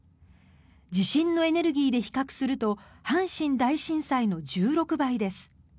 地震のエネルギーで比較すると阪神大震災の１６倍です。